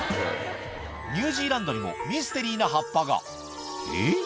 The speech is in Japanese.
ニュージーランドにもミステリーな葉っぱがえっ？